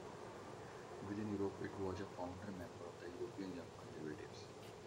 Within Europe, it was a founder member of the European Young Conservatives.